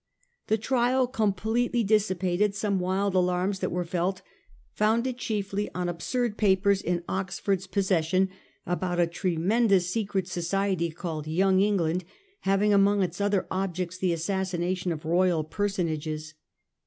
The trial completely dissipated some wild alarms that were felt, founded chiefly on absurd papers in Oxford's posses sion, about a tremendous secret society called ' Young England,' having among its other objects the assassi nation of royal personages.